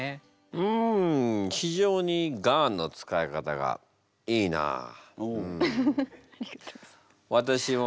うん非常に「ガーン」の使い方がいいなあうん。